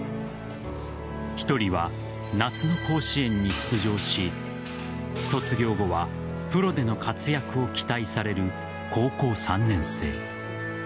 １人は夏の甲子園に出場し卒業後はプロでの活躍を期待される高校３年生。